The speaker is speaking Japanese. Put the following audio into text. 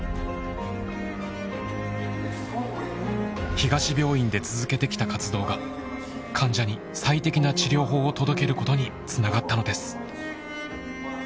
東病院で続けてきた活動が患者に「最適な治療法」を届けることにつながったのです。